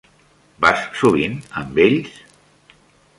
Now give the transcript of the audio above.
Vas sovint amb ells?